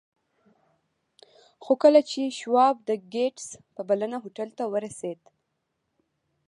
خو کله چې شواب د ګیټس په بلنه هوټل ته ورسېد